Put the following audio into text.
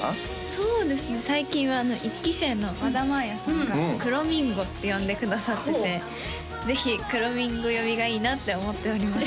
そうですね最近は１期生の和田まあやさんが「くろみんご」って呼んでくださっててぜひくろみんご呼びがいいなって思っております